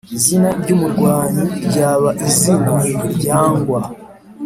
izina ry'umurwanyi ryaba izina ryangwa!